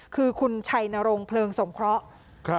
คือคุณชัยนรงเพลิงสงเคราะห์